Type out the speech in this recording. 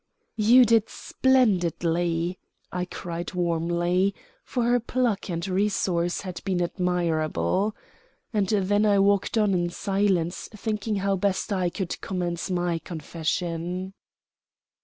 "You did splendidly!" I cried warmly; for her pluck and resource had been admirable. And then I walked on in silence thinking how best I could commence my confession.